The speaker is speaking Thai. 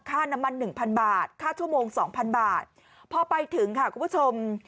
ค่าน้ำมัน๑๐๐๐บาทค่าชั่วโมง๒๐๐๐บาทพอไปถึงค่ะคุณผู้ชม